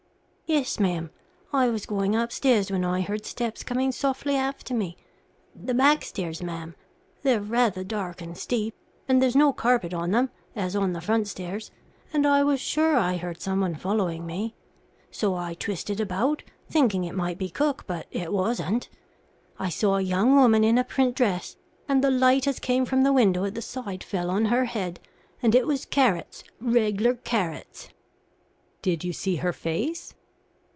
"Yes, ma'am. I was going upstairs, when I heard steps coming softly after me the backstairs, ma'am; they're rather dark and steep, and there's no carpet on them, as on the front stairs, and I was sure I heard someone following me; so I twisted about, thinking it might be cook, but it wasn't. I saw a young woman in a print dress, and the light as came from the window at the side fell on her head, and it was carrots reg'lar carrots." "Did you see her face?"